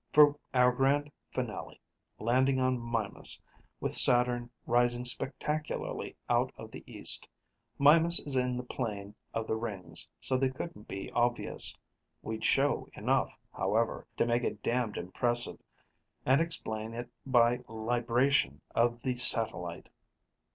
Our grand finale: landing on Mimas with Saturn rising spectacularly out of the east. Mimas is in the plane of the rings, so they couldn't be obvious. We'd show enough, however, to make it damned impressive, and explain it by libration of the satellite.